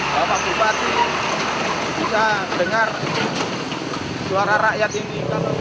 bapak bupati bisa dengar suara rakyat ini